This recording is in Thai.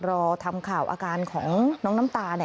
รอทำข่าวอาการของน้องน้ำตา